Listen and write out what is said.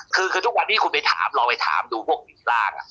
คือทุกวันที่คุณไปถามเราไปถามดูพวกร่าง